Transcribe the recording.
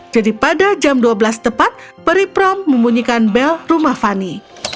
jadi pada jam dua belas tepat priprom membunyikan bel rumah fanny